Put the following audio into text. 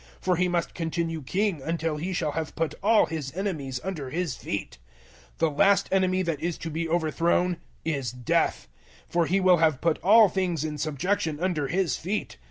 015:025 For He must continue King until He shall have put all His enemies under His feet. 015:026 The last enemy that is to be overthrown is Death; 015:027 for He will have put all things in subjection under His feet.